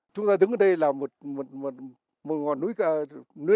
chúng ta đứng ở đây là một ngọn núi